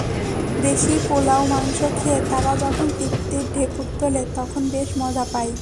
দেশি পোলাও-মাংস খেয়ে তারা যখন তৃপ্তির ঢেঁকুর তোলে, তখন বেশ মজা পাই।